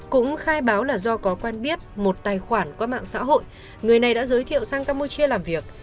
cũng khai báo là do có quen biết một tài khoản qua mạng xã hội người này đã giới thiệu sang campuchia làm việc